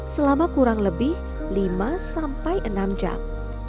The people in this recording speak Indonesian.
selama kurang lebih lima sampai enam jam